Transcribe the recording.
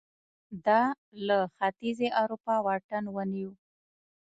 دا له ختیځې اروپا واټن ونیو